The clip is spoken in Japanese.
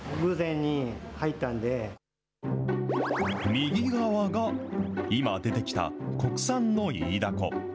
右側が今出てきた国産のイイダコ。